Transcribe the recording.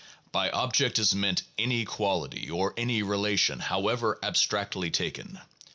By object is meant any quality or any relation, however abstractly taken.